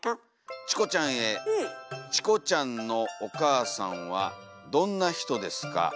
「ちこちゃんへちこちゃんのおかあさんはどんなひとですか？